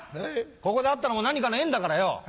ここで会ったのも何かの縁だからよ。